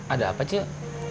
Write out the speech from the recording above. ada apa cik